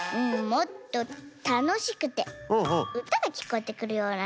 もっとたのしくてうたがきこえてくるようなね。